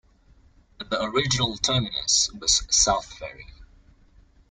The original terminus was South Ferry.